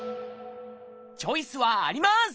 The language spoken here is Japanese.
チョイスはあります！